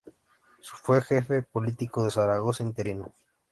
Fue Jefe Político de Zaragoza interino.